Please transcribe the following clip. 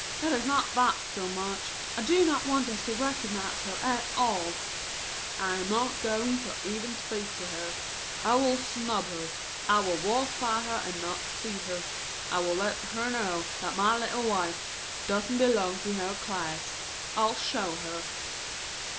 "It is not that so much. I do not want us to recognize her at all." "I am not going to even speak to her. I will snub her. I will walk by her and not see her. I will let her know that my little wife doesn't belong to her class. I'll show her."